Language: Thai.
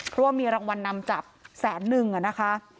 เพราะว่ามีรางวัลนำจับแสนนึงนะคะ